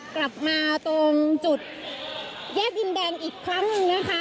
กลับมาตรงจุดแยกดินแดงอีกครั้งหนึ่งนะคะ